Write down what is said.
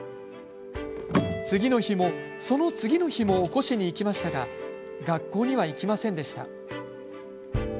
次の日も、その次の日も起こしに行きましたが学校には行きませんでした。